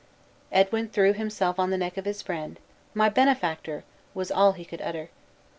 Edwin threw himself on the neck of his friend; "My benefactor!" was all he could utter.